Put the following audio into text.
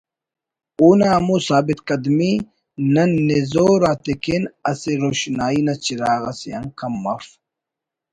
اونا ہمو ثابت قدمی نن نزور آتیکن اسہ روشنائی نا چراغ اسے آن کم اف